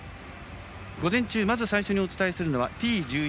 午前中まず最初にお伝えするのはＴ１１